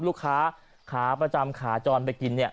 ลูกค้าขาประจำขาจรไปกินเนี่ย